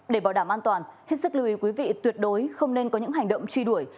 để bảo đảm an toàn hết sức lưu ý quý vị tuyệt đối không nên có những hành động truy đuổi